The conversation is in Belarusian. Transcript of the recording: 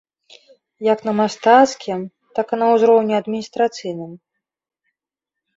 Як на мастацкім, так і на ўзроўні адміністрацыйным.